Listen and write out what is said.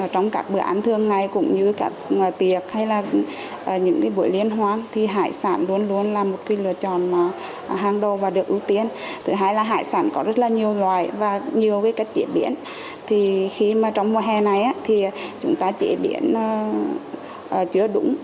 trong mùa hè này chúng ta chế biến chứa đúng